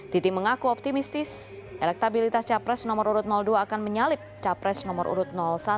titi mengaku optimistis elektabilitas capres nomor urut dua akan menyalip capres nomor urut satu